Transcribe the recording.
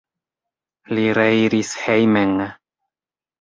Li reiris hejmen.